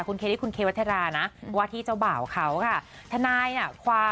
คุณเคคุณเควัฒรานะวาทิเจ้าบ่าวเขาค่ะ